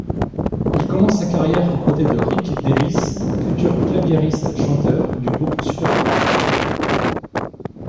Il commence sa carrière aux côtés de Rick Davies, futur claviériste-chanteur du groupe Supertramp.